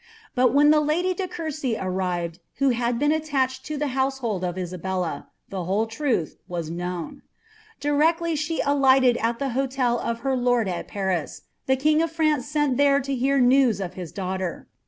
Bui. when the lady de Courcy arrived, who bad been attached to the house hold «r I»ibclla, the whole truth was known. Directly she ali^tcd al ihe hotel of her lord 01 Paris, ihe king tif France sent there to hear nevs of his dnngbier.